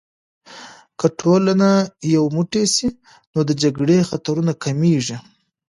که ټولنه یو موټی سي، نو د جګړې خطرونه کمېږي.